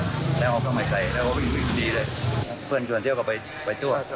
แล้วเอาเครื่องเก่าใหม่ใส่แล้วก็วิ่งดีเลยเพื่อนชวนเที่ยวกับไปไปตัว